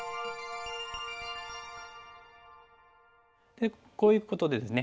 でこういうことでですね